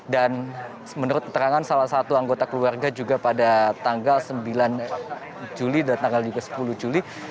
dan menurut keterangan salah satu anggota keluarga juga pada tanggal sembilan juli dan tanggal juga sepuluh juli